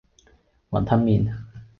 雲吞麪